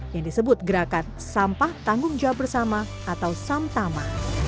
yang disebut gerakan sampah tanggung jawab bersama atau samtama